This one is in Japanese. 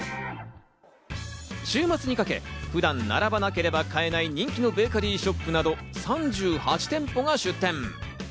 週末にかけ、普段、並ばなければ買えない人気のベーカリーショップなど３８店舗が出店。